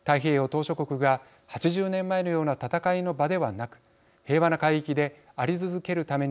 島しょ国が８０年前のような戦いの場ではなく平和な海域であり続けるためにはどうすればいいのか。